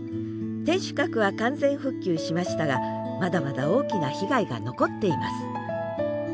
天守閣は完全復旧しましたがまだまだ大きな被害が残っています。